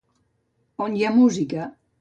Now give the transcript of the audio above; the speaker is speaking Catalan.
On hi ha música?